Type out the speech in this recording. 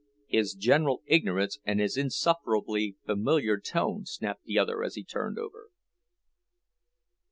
"His general ignorance and his insufferably familiar tone," snapped the other as he turned over.